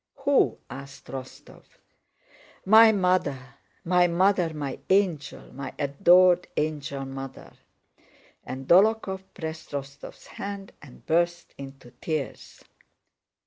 "Who?" asked Rostóv. "My mother! My mother, my angel, my adored angel mother," and Dólokhov pressed Rostóv's hand and burst into tears.